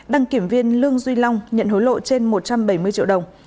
đăng kiểm viên lương duy long nhận hối lộ trên một trăm bảy mươi triệu đồng